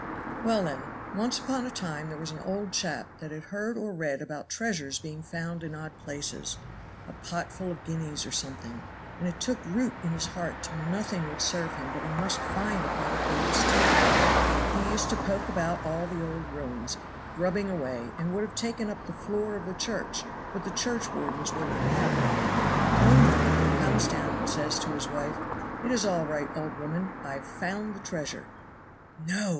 "Well, then. Once upon a time there was an old chap that had heard or read about treasures being found in odd places, a pot full of guineas or something; and it took root in his heart till nothing would serve him but he must find a pot of guineas, too; he used to poke about all the old ruins, grubbing away, and would have taken up the floor of the church, but the churchwardens would not have it. One morning he comes down and says to his wife, 'It is all right, old woman, I've found the treasure.' "'No!